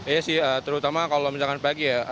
iya sih terutama kalau misalkan pagi ya